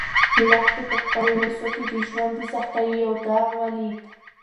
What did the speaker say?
لښتې په خپلو لاسو کې د ژوند د سختیو یو داغ ولید.